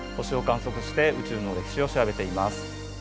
星を観測して宇宙の歴史を調べています。